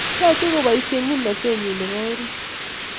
Yochei koboisie kimnatenyin nebo orit